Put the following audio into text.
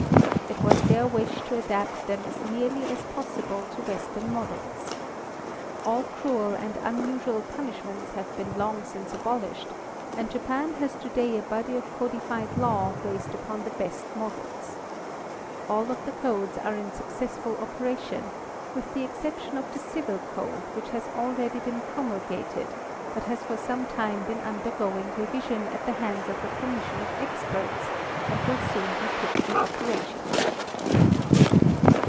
It was their wish to adapt them as nearly as possible to western models. All cruel and unusual punishments have been long since abolished, and Japan has today a body of codified law based upon the best models. All of the codes are in successful operation, with the exception of the civil code, which has already been promulgated, but has for some time been undergoing re vision at the hands of a commission of experts and will soon be put in operation.